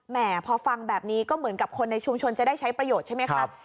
พอฟังแบบนี้ก็เหมือนกับคนในชุมชนจะได้ใช้ประโยชน์ใช่ไหมครับ